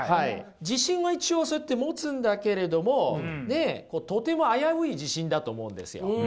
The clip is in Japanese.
自信は一応そうやって持つんだけれどもとても危うい自信だと思うんですよ。